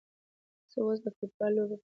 زه اوس د فوټبال لوبه په تلویزیون کې ګورم.